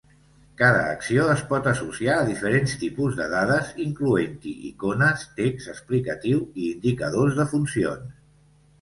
Cada acció es pot associar a diferents tipus de dades, incloent-hi icones, text explicatiu i indicadors de funcions.